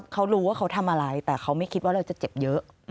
เขารู้ว่าเขาทำอะไรแต่เขาไม่คิดว่าเราจะเจ็บเยอะ